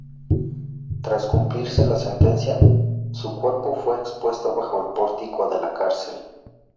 Tras cumplirse la sentencia, su cuerpo fue expuesto bajo el pórtico de la cárcel.